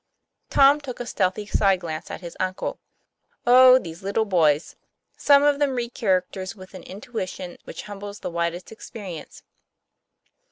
Tom took a stealthy side glance at his uncle. Oh, these little boys! Some of them read characters with an intuition which humbles the widest experience.